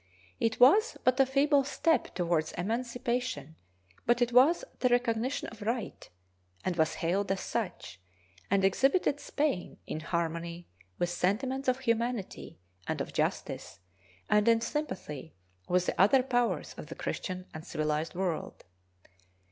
It was but a feeble step toward emancipation, but it was the recognition of right, and was hailed as such, and exhibited Spain in harmony with sentiments of humanity and of justice and in sympathy with the other powers of the Christian and civilized world.